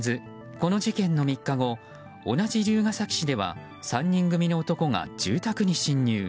この事件の３日後同じ龍ケ崎市では３人組の男が住宅に侵入。